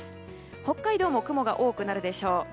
北海道も雲が多くなるでしょう。